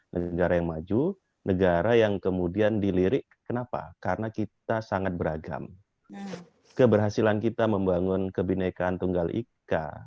negara yang maju negara yang kemudian dilirik kenapa karena kita sangat beragam keberhasilan kita membangun kebinekaan tunggal ika